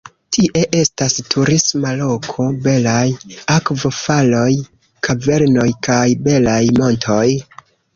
Tie estas turisma loko, belaj akvo-faloj, kavernoj kaj belaj montoj.